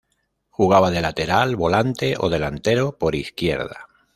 Jugaba de lateral, volante o delantero por izquierda.